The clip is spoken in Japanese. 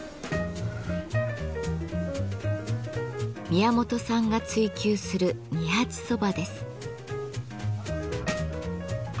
宮本さんが追求する二八蕎麦です。